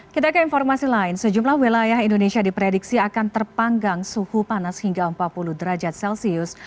kita ke informasi lain sejumlah wilayah indonesia diprediksi akan terpanggang suhu panas hingga empat puluh derajat celcius